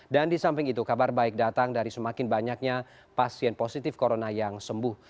dan di samping itu kabar baik datang dari semakin banyaknya pasien positif corona yang sembuh